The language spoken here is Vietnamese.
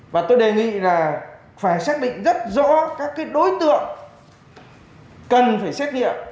và tôi đề nghị là phải xác định rất rõ các đối tượng cần phải xét nghiệm